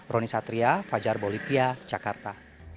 roni satria fajar bolivia jakarta